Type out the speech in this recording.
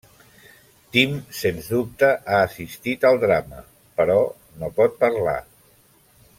Tim, sens dubte ha assistit al drama, però no pot parlar.